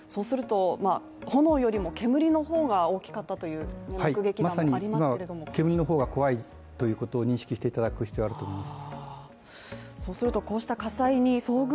そうするとこのよりも煙の方が大きかったという、まさに近隣の方が怖いということ認識していただく必要あると思います